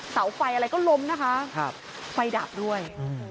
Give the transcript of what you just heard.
เสาไฟอะไรก็ล้มนะคะไฟดับด้วย